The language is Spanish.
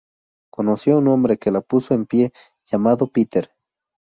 Conoció a un hombre que la puso en pie llamado Peter.